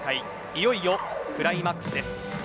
いよいよクライマックスです。